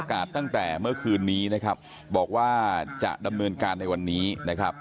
ตั้งแต่เมื่อคืนนี้นะครับบอกว่าจะดำเนินการในวันนี้นะครับ